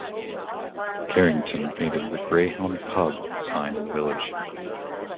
Carrington painted the Greyhound Pub sign in the village.